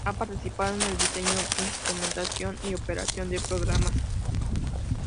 Ha participado en el diseño, instrumentación y operación de programas.